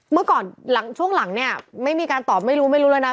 เมื่อก่อนหลังช่วงหลังเนี่ยไม่มีการตอบไม่รู้ไม่รู้แล้วนะ